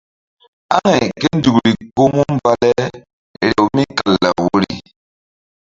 Amay ké nzukri ko mu mba le rew mí kal law woyri.